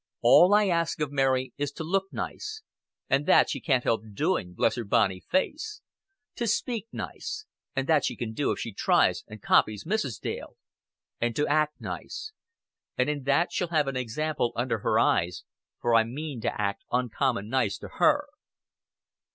"All I ask of Mary is to look nice and that she can't help doing, bless her bonny face; to speak nice and that she can do if she tries, and copies Mrs. Dale; and to act nice and in that she'll have an example under her eyes, for I mean to act uncommon nice to her."